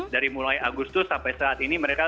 dari mulai agustus sampai saat ini mereka